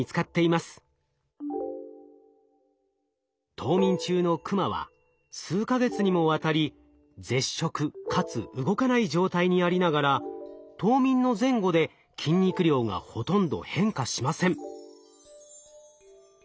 冬眠中のクマは数か月にもわたり絶食かつ動かない状態にありながら冬眠の前後で筋肉量がほとんど変化しません。